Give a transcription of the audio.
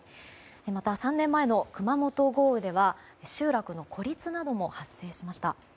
また、３年前の熊本豪雨では集落の孤立なども発生しました。